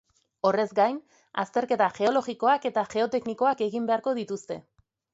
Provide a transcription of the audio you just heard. Horrez gain, azterketa geologikoak eta geoteknikoak egin beharko dituzte.